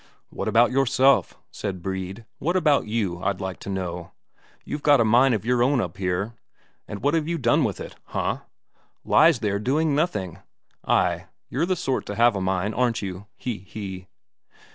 "What about yourself?" said Brede. "What about you, I'd like to know? You've got a mine of your own up here, and what have you done with it? Huh! Lies there doing nothing. Ay, you're the sort to have a mine, aren't you? He he!"